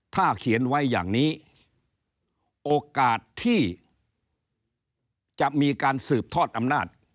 ถ้าเขียนไว้อย่างนี้โอกาสที่จะมีการสืบทอดอำนาจ